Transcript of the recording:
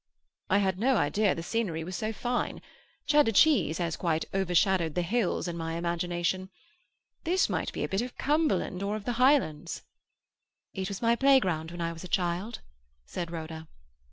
"I had no idea the scenery was so fine. Cheddar cheese has quite overshadowed the hills in my imagination. This might be a bit of Cumberland, or of the Highlands." "It was my playground when I was a child," said Rhoda.